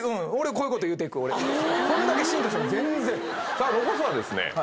さあ残すはですね